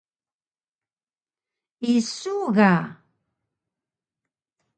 Isu ga?